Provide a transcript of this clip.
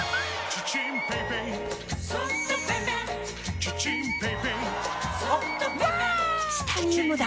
チタニウムだ！